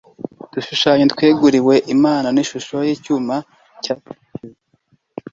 udushushanyo tweguriwe imana n'ishusho ry'icyuma cyashongeshejwe